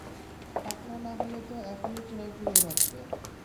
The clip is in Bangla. পাকনা না হলে তো এখনই চুলোয় পুড়িয়ে মারতে।